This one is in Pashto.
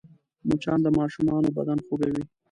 مچان د ماشومانو بدن خوږوي